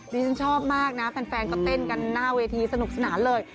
ฉันชอบมากนะแฟนก็เต้นกันหน้าเวทีสนุกสนานเลย